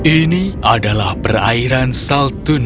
ini adalah perairan saltunia